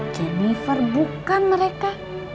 jennifer bukan mereka